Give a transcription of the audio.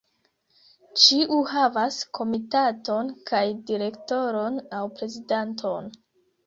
Ĉiu havas komitaton kaj direktoron aŭ prezidanton.